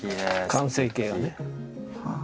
完成形がね。